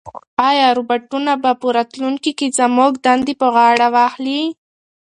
ایا روبوټونه به په راتلونکي کې زموږ دندې په غاړه واخلي؟